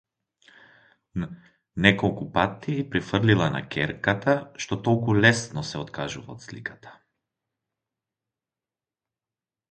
Неколупати ѝ префрлила на ќерката што толку лесно се откажува од сликата.